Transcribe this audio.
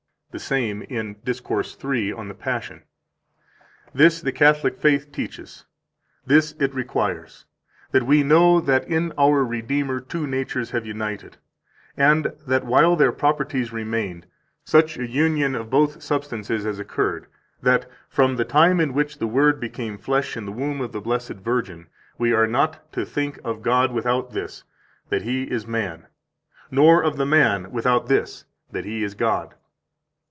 175 The same, in Discourse 3, On the Passion: "This the catholic faith teaches, this it requires, that we know that in our Redeemer two natures have united, and that, while their properties remained, such a union of both substances has occurred that, from the time in which the Word became flesh in the womb of the Blessed Virgin, we are not to think of God without this, that He is man; nor of the man without this, that He is God."